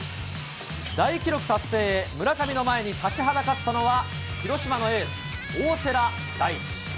大記録達成へ、村上の前に立ちはだかったのは、広島のエース、大瀬良大地。